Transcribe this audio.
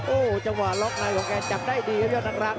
โอ้โหจังหวะล็อกในของแกจับได้ดีครับยอดรัก